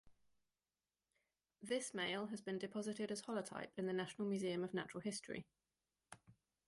This male has been deposited as holotype in the National Museum of Natural History.